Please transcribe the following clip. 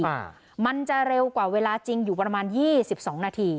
มันจะเร็วกว่าเวลาจริงอยู่ประมาณยี่สิบสองนาที